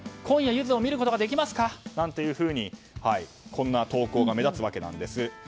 今夜、ゆずを見ることができますか？とこんな投稿が目立つわけなんです。